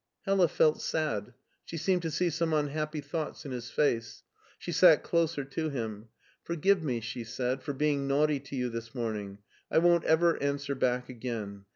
Hella felt sad; she seemed to see some unhappy thoughts in his face. She sat closer to him. " Forgive me," she said, " for being naughty to you this morning. I won't ever answer back again.